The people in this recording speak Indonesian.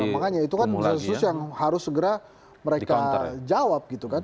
makanya itu kan desa sesus yang harus segera mereka jawab